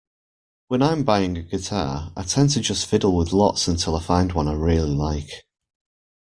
When I'm buying a guitar I tend to just fiddle with lots until I find one I really like.